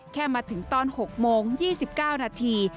แค่มาถึงตอน๖โมง๒๙นาที